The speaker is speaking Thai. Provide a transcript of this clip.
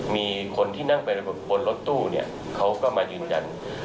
มีคนที่นั่งไปบนรถตู้เนี่ยเขาก็มายืนยัน